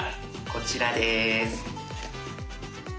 こちらです。